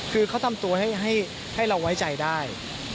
คือเขาทำตัวให้เราไว้ใจได้